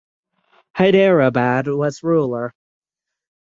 Hyderabad was ruler.